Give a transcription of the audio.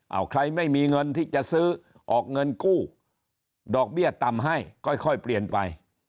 เอาใครไม่มีเงินที่จะซื้อออกเงินกู้ดอกเบี้ยต่ำให้ค่อยเปลี่ยนไป